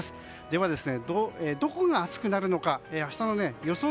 では、どこが暑くなるのか明日の予想